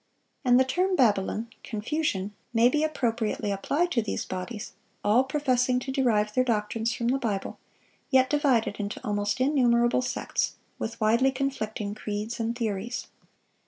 And the term "Babylon"—confusion—may be appropriately applied to these bodies, all professing to derive their doctrines from the Bible, yet divided into almost innumerable sects, with widely conflicting creeds and theories.